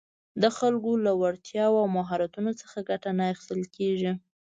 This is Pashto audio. د خلکو له وړتیاوو او مهارتونو څخه ګټه نه اخیستل کېږي